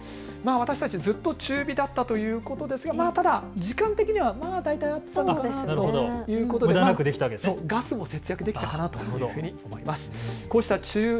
私たちずっと中火だったということでまだ時間的にはだいたい合っていたということで、ガスも節約できたかなと思います。